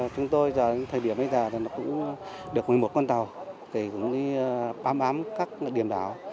chúng tôi giờ thời điểm bây giờ cũng được một mươi một con tàu bám bám các điểm đảo